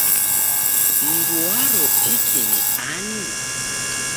Mndu waro tiki ni ani?